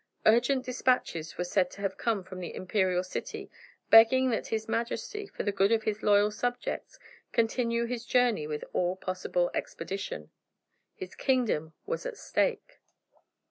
Urgent despatches were said to have come from the imperial city begging that his Majesty, for the good of his loyal subjects, continue his journey with all possible expedition. His kingdom was at stake!